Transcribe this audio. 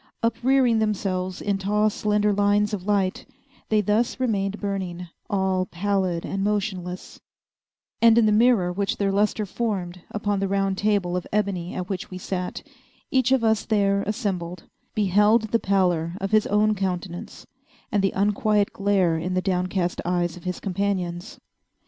Uprearing themselves in tall slender lines of light, they thus remained burning all pallid and motionless; and in the mirror which their lustre formed upon the round table of ebony at which we sat, each of us there assembled beheld the pallor of his own countenance, and the unquiet glare in the downcast eyes of his companions.